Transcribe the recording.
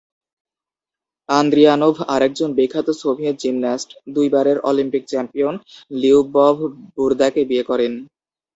Andrianov আরেকজন বিখ্যাত Soviet gymnast, দুইবারের অলিম্পিক চ্যাম্পিয়ন লিউবভ বুরদাকে বিয়ে করেন।